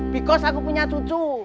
because aku punya cucu